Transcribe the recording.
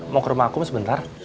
mau ke rumah aku sebentar